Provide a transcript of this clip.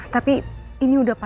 tapi ini udah pas ya